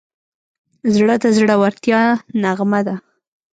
زړه د زړورتیا نغمه ده.